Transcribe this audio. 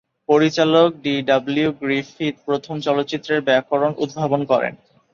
পরিচালক D W Griffith প্রথম চলচ্চিত্রের ব্যাকরণ উদ্ভাবন করেন।